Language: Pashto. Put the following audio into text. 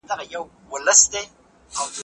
تاوېده لكه زمرى وي چا ويشتلى